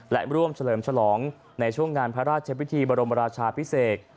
และร่วมเฉลิมฉลองในช่วงงานพระราชพิธีบรมราชาพิเศษ